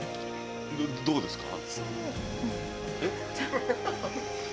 どうですか？